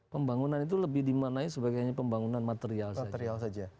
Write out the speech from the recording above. pembangunan itu lebih dimanai sebagai pembangunan material saja